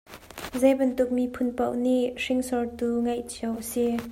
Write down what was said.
Zei bantuk miphun poh nih hringsortu ngeih cio a si.